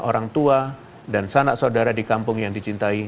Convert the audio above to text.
orang tua dan sanak saudara di kampung yang dicintai